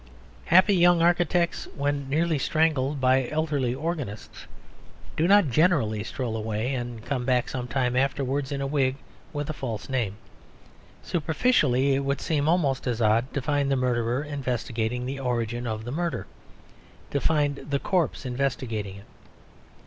Happy young architects, when nearly strangled by elderly organists, do not generally stroll away and come back some time afterwards in a wig and with a false name. Superficially it would seem almost as odd to find the murderer investigating the origin of the murder, as to find the corpse investigating it.